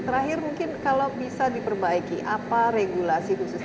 terakhir mungkin kalau bisa diperbaiki apa regulasi khususnya